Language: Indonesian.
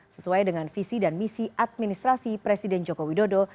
sesuai dengan visi dan misi administrasi presiden joko widodo